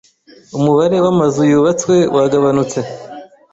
Umubare wamazu yubatswe wagabanutse.